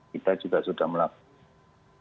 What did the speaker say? kita juga sudah melakukan